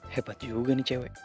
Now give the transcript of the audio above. hebat juga nih cewek